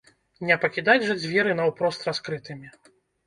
Не пакідаць жа дзверы наўпрост раскрытымі!